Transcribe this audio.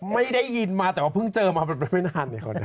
ไม่ได้ยินมาแต่ว่าเพิ่งเจอมาไม่นาน